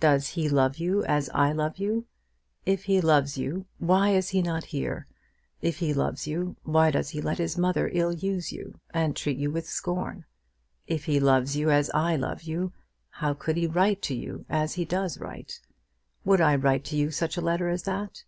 Does he love you as I love you? If he loves you, why is he not here? If he loves you, why does he let his mother ill use you, and treat you with scorn? If he loves you as I love you, how could he write to you as he does write? Would I write to you such a letter as that?